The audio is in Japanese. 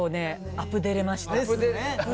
アプデれました。